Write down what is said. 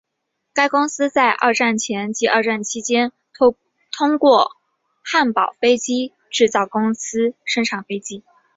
该公司在二战前及二战期间透过汉堡飞机制造公司生产飞机。